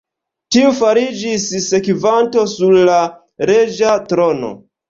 Tiu fariĝis sekvanto sur la reĝa trono.